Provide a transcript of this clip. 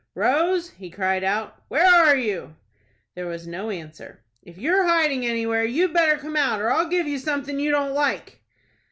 "Rose," he cried out, "where are you?" There was no answer. "If you're hiding anywhere, you'd better come out, or I'll give you something you don't like."